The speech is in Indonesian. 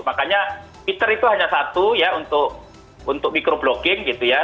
makanya twitter itu hanya satu untuk micro blogging gitu ya